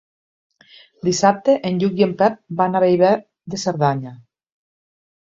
Dissabte en Lluc i en Pep van a Bellver de Cerdanya.